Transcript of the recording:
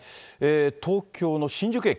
東京の新宿駅。